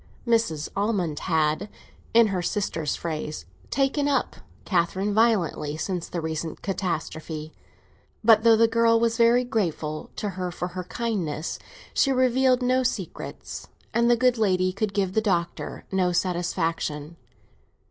Mrs. Almond had, in her sister's phrase, "taken up" Catherine violently since the recent catastrophe; but though the girl was very grateful to her for her kindness, she revealed no secrets, and the good lady could give the Doctor no satisfaction.